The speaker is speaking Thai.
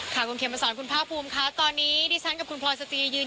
ค่ะคุณเพียบสอนคุณพ่าภูมิค่ะตอนนี้ดิฉันกับคุณพลอยสตียืน